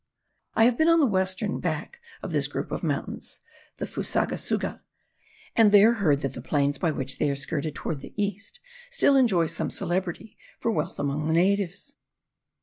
I have been on the western back of this group of mountains, at Fusagasuga, and there heard that the plains by which they are skirted toward the east still enjoy some celebrity for wealth among the natives.